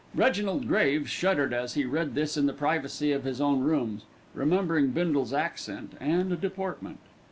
Reginald Graves shuddered as he read this in the privacy of his own rooms, remembering Bindle's accent and deportment.